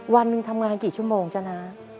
วันหนึ่งทำงานกี่ชั่วโมงจ๊ะนะ